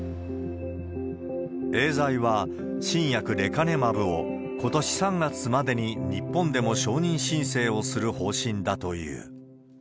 エーザイは、新薬、レカネマブを、ことし３月までに日本でも承認申請をする方針だという。